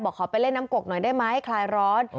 ขอไปเล่นน้ำกกหน่อยได้ไหมคลายร้อน